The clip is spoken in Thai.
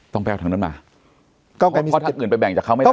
ต้องไปเอาทางนั้นมาก็เพราะถ้าเงินไปแบ่งจากเขาไม่ได้